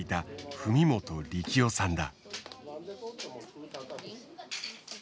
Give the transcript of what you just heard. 文本力雄さんだ。